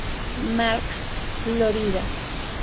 Marks, Florida.